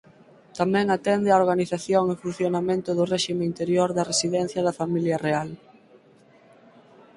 Tamén atende á organización e funcionamento do réxime interior da residencia da Familia Real.